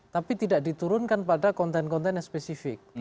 tapi tidak diturunkan pada konten konten yang spesifik